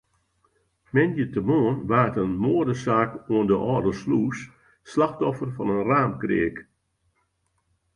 Moandeitemoarn waard in moadesaak oan de Alde Slûs slachtoffer fan in raamkreak.